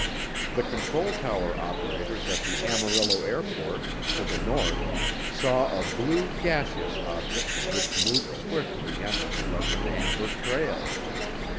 The control tower operators at the Amarillo Airport, to the north, saw a "blue, gaseous object which moved swiftly and left an amber trail."